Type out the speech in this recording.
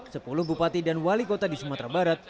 sepuluh bupati dan wali kota di sumatera barat